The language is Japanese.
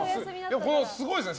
すごいですね。